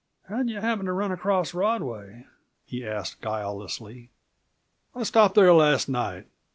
"How'd yuh happen to run across Rodway?" he asked guilelessly. "I stopped there last night.